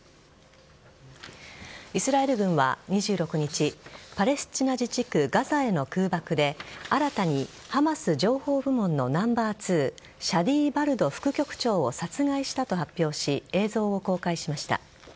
イスラエル軍は２６日パレスチナ自治区・ガザへの空爆で新たにハマス情報部門のナンバー２シャディ・バルド副局長を殺害したと発表し映像を公開しました。